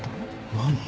何？